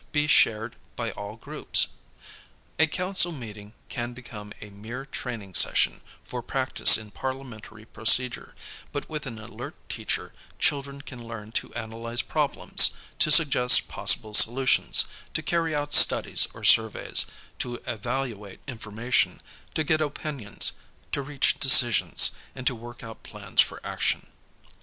be shared by all groups?" A council meeting can become a mere training session for practice in parliamentary procedure, but with an alert teacher children can learn to analyze problems, to suggest possible solutions, to carry out studies or surveys, to evaluate information, to get opinions, to reach decisions, and to work out plans for action.